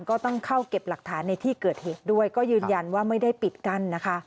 ก็ต้องเข้าเก็บหลักฐานในที่เกิดเหตุด้วยก็ยืนยันว่าไม่ได้ปิดกั้นนะคะ